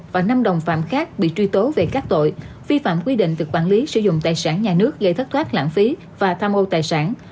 và năm đồng phạm khác bị truy tố về các tội vi phạm quy định về quản lý sử dụng tài sản nhà nước gây thất thoát lãng phí và tham ô tài sản